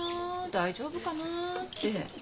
大丈夫かなって。